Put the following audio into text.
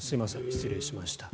失礼しました。